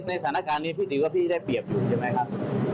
ในสถานการณ์นี้พี่ถือว่าพี่ได้เปรียบอยู่ใช่ไหมครับ